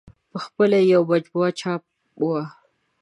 په خپله یې یوه مجموعه چاپ وه.